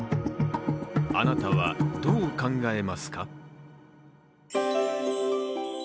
あなたはどう考えますか？